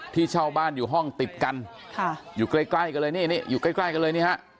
เช่าบ้านอยู่ห้องติดกันอยู่ใกล้กันเลยนี่นี่อยู่ใกล้กันเลยนี่ฮะ